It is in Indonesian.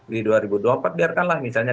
di dua ribu dua puluh empat biarkanlah misalnya